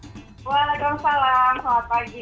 waalaikumsalam selamat pagi mas alvi mbak gia apa kabar